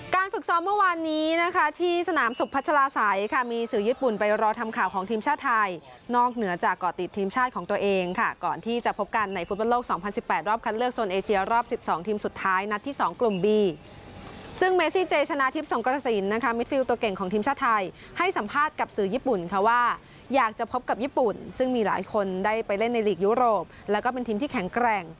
การฝึกซ้อมเมื่อวานนี้นะคะที่สนามศุกร์พัชราสัยค่ะมีสื่อญี่ปุ่นไปรอทำข่าวของทีมชาติไทยนอกเหนือจากก่อติดทีมชาติของตัวเองค่ะก่อนที่จะพบกันในฟุตบันโลกสองพันสิบแปดรอบคันเลือกโซนเอเชียรอบสิบสองทีมสุดท้ายนัดที่สองกลุ่มบีซึ่งเมซี่เจชนะทิพย์สองกระสินนะคะมิดฟิลต์ตัวเ